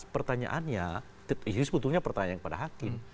pertanyaannya ini sebetulnya pertanyaan kepada hakim